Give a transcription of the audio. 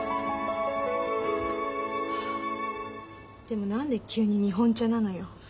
でも何で急に日本茶なのよ？